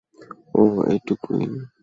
ওহ, এটুকুই?